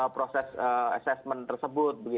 proses asesmen tersebut